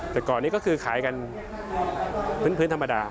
แต่ก่อนนี้ก็คือขายกันพื้นธรรมดา